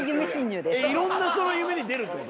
いろんな人の夢に出るってこと？